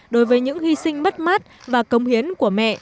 đối với những hy sinh mất mát và công hiến của mẹ